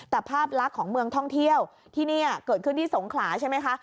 แต่ภาพลักษณ์ของเมืองท่องเที่ยวที่นี่เกิดขึ้นที่สงขลาใช่ไหมคะ